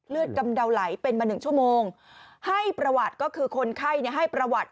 กำเดาไหลเป็นมาหนึ่งชั่วโมงให้ประวัติก็คือคนไข้ให้ประวัติ